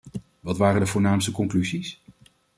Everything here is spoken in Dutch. Wat waren de voornaamste conclusies?